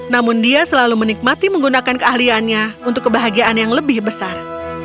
namun dia selalu menikmati menggunakan keahliannya untuk kebahagiaan yang lebih besar